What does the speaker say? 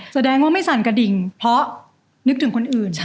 แสดงว่าไม่สั่นกระดิ่งเพราะนึกถึงคนอื่น